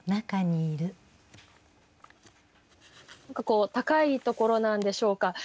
何かこう高いところなんでしょうか。